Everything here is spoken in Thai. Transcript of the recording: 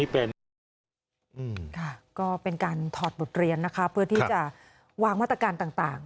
ก็เป็นการถอดบทเรียนนะคะเพื่อที่จะวางมาตรการต่าง